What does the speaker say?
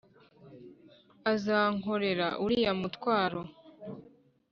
azankorera uriya mutwaro.